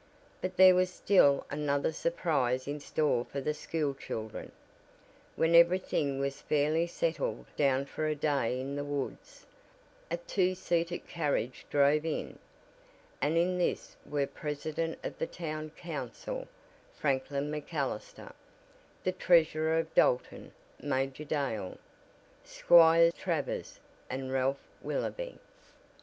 But there was still another surprise in store for the school children. When everything was fairly settled down for a day in the woods, a two seated carriage drove in, and in this were President of the Town Council, Franklin MacAllister; the Treasurer of Dalton, Major Dale, Squire Travers and Ralph Willoby.